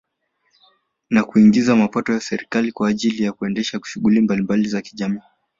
Na kuiingizia mapato serikali kwa ajili ya kuendesha shughuli mbalimbali za kijamiii